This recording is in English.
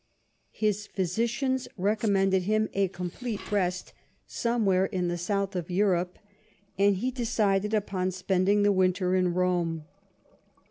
His physicians recommended him a complete rest somewhere in the south of Europe, and he decided upon spending the winter in Rome.